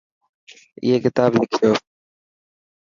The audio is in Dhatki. ائي ڪتاب لکيو.